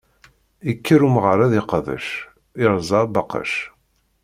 Ikker umɣar ad iqdec, iṛẓa abaqec.